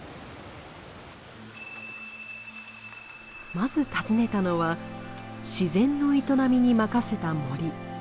まず訪ねたのは自然の営みに任せた森。